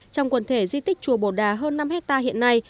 trong quần thể di tích chùa bồ đà hơn năm hectare hiện nay